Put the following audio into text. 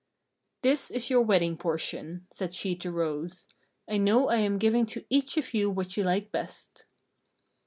"This is your wedding portion," said she to Rose. "I know I am giving to each of you what you like best."